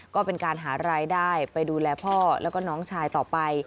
ก็เป็นการหารายได้ไปดูแลพ่อแล้วก็น้องชายต่อไป